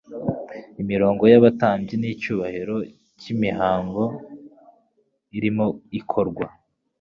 imirongo y'abatambyi n'icyubahiro cy'imihango irimo ikorwa,